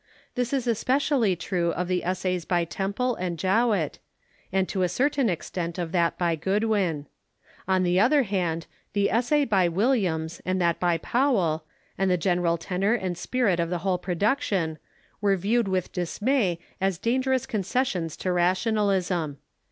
This is especially true of the essays by Temple and Jowett, and to a certain extent of that by Goodwin. On the other hand, the essay by Williams and that by Powell, and the general tenor and spirit of the whole jiroduction, were viewed with dismay as dangerous concessions to Rationalism.